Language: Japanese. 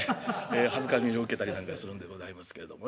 辱めを受けたりなんかするんでございますけれどもね。